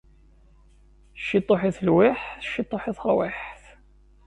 Ciṭuḥ i telwiḥt, ciṭuḥ i terwiḥt.